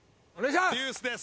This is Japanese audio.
デュースです。